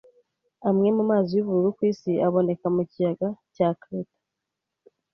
Amwe mumazi yubururu ku isi aboneka mu kiyaga cya Crater.